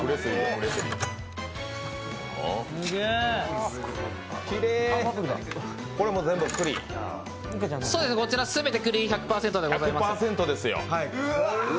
こちら全てくり１００％でございます。